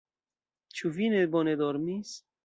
Ĉu vi ne bone dormis?